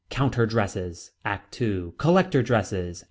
Count her dresses. ACT II. Collect her dresses.